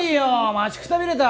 待ちくたびれた！